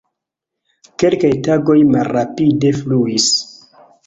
Kelkaj tagoj malrapide fluis.